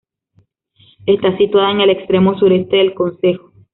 Está situada en el extremo sureste del concejo.